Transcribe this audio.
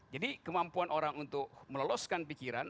kemampuan orang untuk meloloskan pikiran